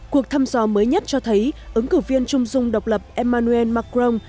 cuộc thăm dò mới nhất cho thấy ứng cử viên trung dung độc lập emmanuel macron